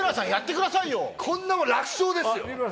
こんなもん楽勝ですよ。